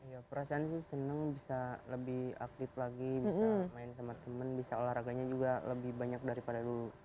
ya perasaan sih seneng bisa lebih aktif lagi bisa main sama temen bisa olahraganya juga lebih banyak daripada dulu